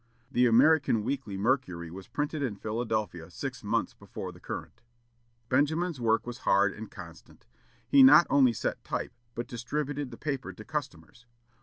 The American Weekly Mercury was printed in Philadelphia six months before the Courant. Benjamin's work was hard and constant. He not only set type, but distributed the paper to customers.